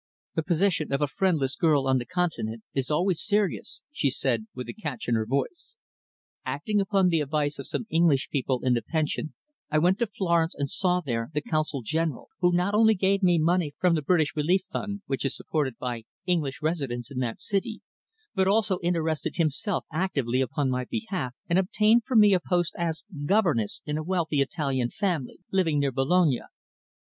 The position of a friendless girl on the Continent is always serious," she said, with a catch in her voice. "Acting upon the advice of some English people in the pension I went to Florence and saw there the Consul General, who not only gave me money from the British Relief Fund, which is supported by English residents in that city, but also interested himself actively upon my behalf and obtained for me a post as governess in a wealthy Italian family living near Bologna.